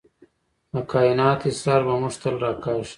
د کائنات اسرار به موږ تل راکاږي.